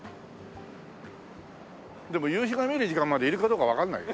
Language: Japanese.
でも夕日が見える時間までいるかどうかわかんないよ。